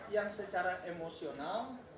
yang secara emosional